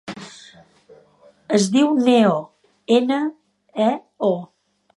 Es diu Neo: ena, e, o.